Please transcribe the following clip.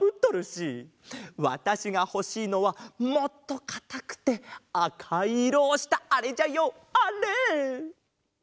わたしがほしいのはもっとかたくてあかいいろをしたあれじゃよあれ！